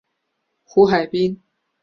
胡海滨。